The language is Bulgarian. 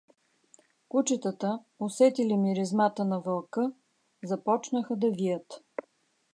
Кучетата, усетили миризмата на вълка, започнаха да вият.